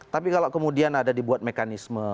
tapi kalau kemudian ada dibuat mekanisme